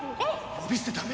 呼び捨てダメ！